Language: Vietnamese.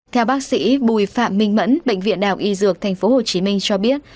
theo bác sĩ bùi phạm minh mẫn bệnh viện đào y dược tp hcm cho biết